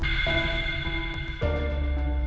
tapi seiring waktu beritahu lo al